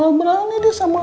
malah berani deh sama abah